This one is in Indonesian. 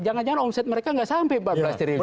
jangan jangan omset mereka nggak sampai empat belas triliun